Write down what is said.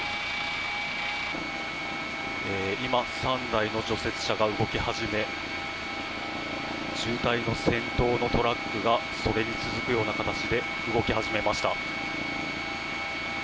今、３台の除雪車が動き始め渋滞の先頭のトラックがそれに続くような形で動き始めました。